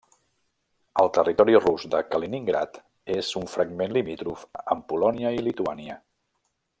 El territori rus de Kaliningrad és un fragment limítrof amb Polònia i Lituània.